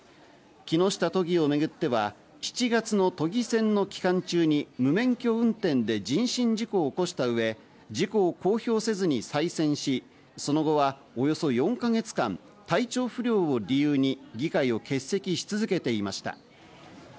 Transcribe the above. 木下都議をめぐっては７月の都議選の期間中に無免許運転で人身事故を起こしたうえ、事故を公表せずに再選し、その後はおよそ４か月間、体調不良を理由に議会を欠席し続けていました。